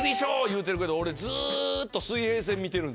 言うてるけど俺ずっと。